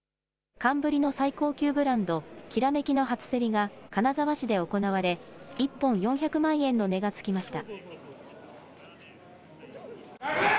寒ブリの最高級ブランド、煌の初競りが、金沢市で行われ、１本４００万円の値がつきました。